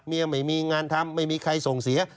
ไม่มีงานทำไม่มีใครส่งเสีย